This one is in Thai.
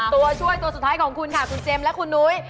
ตัวช่วยตัวสุดท้ายของคุณค่ะคุณเจมส์และคุณนุ้ย